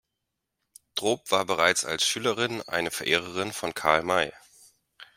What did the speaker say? Droop war bereits als Schülerin eine Verehrerin von Karl May.